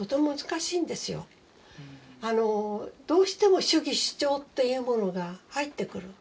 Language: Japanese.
どうしても主義主張っていうものが入ってくる。